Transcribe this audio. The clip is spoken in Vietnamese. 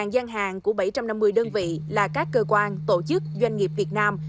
một mươi gian hàng của bảy trăm năm mươi đơn vị là các cơ quan tổ chức doanh nghiệp việt nam